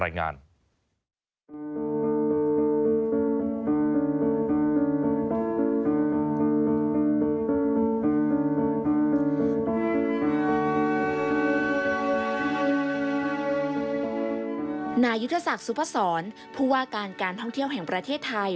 นายุทธศักดิ์สุพศรผู้ว่าการการท่องเที่ยวแห่งประเทศไทย